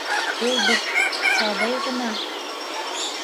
Ул бит... сабый ғына...